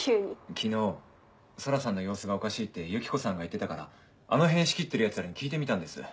昨日空さんの様子がおかしいってユキコさんが言ってたからあの辺仕切ってるヤツらに聞いてみたんです。